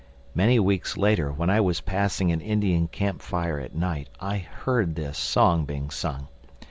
Many weeks later when I was passing an Indian camp fire at night I heard this song being sung.